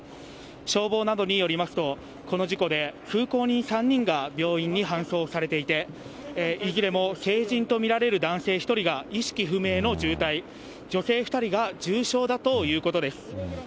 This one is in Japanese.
消防などによりますと、この事故で通行人３人が病院に搬送されていて、いずれも成人と見られる男性１人が意識不明の重体、女性２人が重傷だということです。